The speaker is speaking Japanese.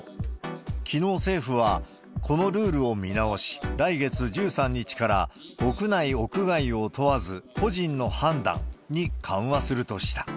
きのう、政府はこのルールを見直し、来月１３日から屋内、屋外を問わず、個人の判断に緩和するとした。